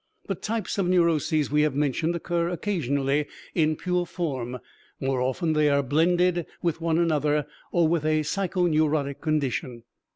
The types of neuroses we have mentioned occur occasionally in pure form; more often they are blended with one another or with a psychoneurotic condition.